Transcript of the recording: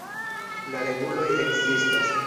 La reguloj ekzistas.